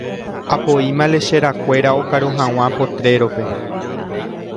Apoíma lecherakuéra okaru hag̃ua potrero-pe.